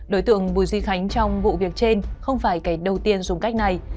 đối tượng bùi duy khánh trong vụ việc trên không phải kẻ đầu tiên dùng cách này